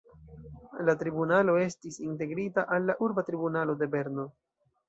La tribunalo estis integrita al la urba tribunalo de Berno.